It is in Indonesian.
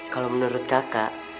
kalau menurut kakak